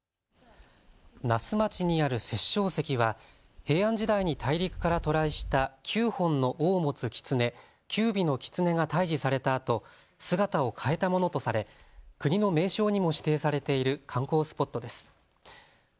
那須町にある殺生石は平安時代に大陸から渡来した９本の尾を持つキツネ、九尾の狐が退治されたあと姿を変えたものとされ国の名勝にも指定されている観光スポットです。